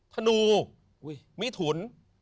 ธนูมิถุน